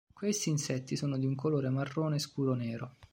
Questi insetti sono di un colore marrone scuro-nero.